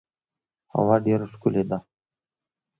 هوا ډیره ښکلې ده .